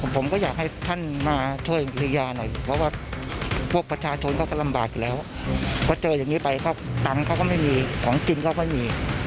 ผมก็อยากให้ท่านมาช่วยเยียวยาหน่อยเพราะว่าพวกประชาชนเขาก็ลำบากอยู่แล้วเพราะเจออย่างนี้ไปก็ตังค์เขาก็ไม่มีของกินก็ไม่มี